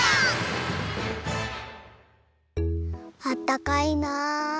あったかいな。